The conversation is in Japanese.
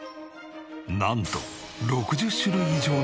なんと６０種類以上の野菜。